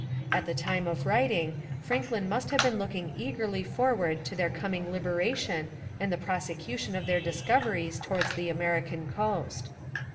At the time of writing, Franklin must have been looking eagerly forward to their coming liberation and the prosecution of their discoveries towards the American coast.